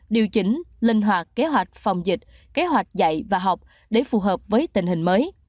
điều chỉnh linh hoạt kế hoạch phòng dịch kế hoạch dạy và học để phù hợp với tình hình mới